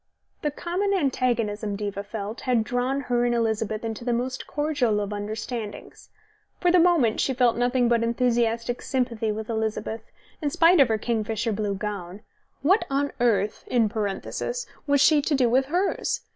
The common antagonism, Diva felt, had drawn her and Elizabeth into the most cordial of understandings. For the moment she felt nothing but enthusiastic sympathy with Elizabeth, in spite of her kingfisher blue gown. ... What on earth, in parenthesis, was she to do with hers?